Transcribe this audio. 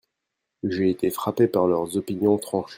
J'ai été frappé par leurs opinions tranchés.